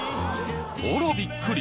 あらびっくり！